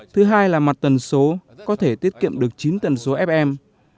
thứ hai là mặt tần số có thể tiết kiệm được chín tần số fm